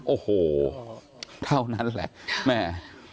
โอ้โหเท่านั้นแหละแม่